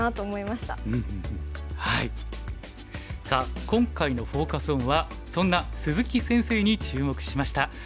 さあ今回のフォーカス・オンはそんな鈴木先生に注目しました。